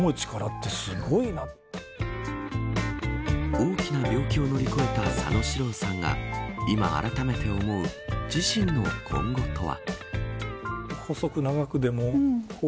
大きな病気を乗り越えた佐野史郎さんが今、あらためて思う自身の今後とは。